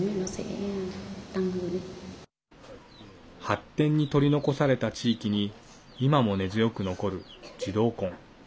発展に取り残された地域に今も根強く残る児童婚。